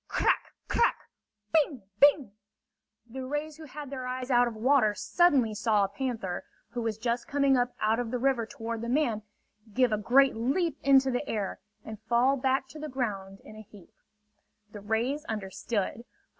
C r r ack! C r r r ack! Bing! Bing. The rays who had their eyes out of water suddenly saw a panther, who was just coming up out of the river toward the man, give a great leap into the air and fall back to the ground in a heap. The rays understood!